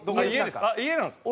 あっ家なんですか？